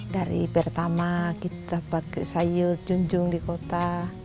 dari pertama kita pakai sayur junjung di kota